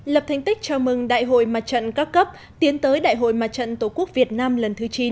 lập thành tích chào mừng đại hội mặt trận các cấp tiến tới đại hội mặt trận tổ quốc việt nam lần thứ chín